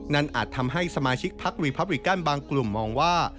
นั่นอาจทำให้สมาชิกภักดิ์รีพับบิลลิกันบางกลุ่มมาว่า